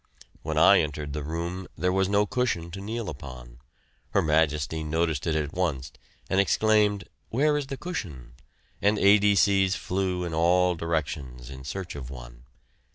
When I entered the room there was no cushion to kneel upon. Her Majesty noticed it at once, and exclaimed, "Where is the cushion?" and A.D.C.'s flew in all directions in search of one.